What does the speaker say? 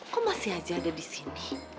kok masih aja ada disini